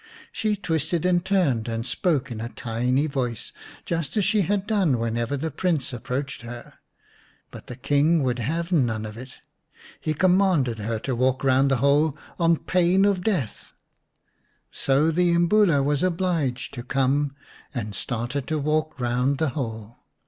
She twisted and turned, and spoke in a tiny voice, just as she had done whenever the Prince approached her. But the King would have none of it, and commanded her to walk round the hole on pain of death. So the Imbula was obliged to come, and started to walk round the hole.